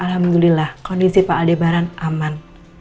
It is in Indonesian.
alhamdulillah kondisi pak aldebaran aman